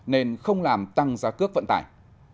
nên không làm tăng giá cước vận tải